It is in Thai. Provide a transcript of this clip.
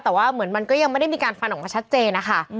แต่ว่าเหมือนมันก็ยังไม่ได้มีการฟันออกมาชัดเจนนะคะ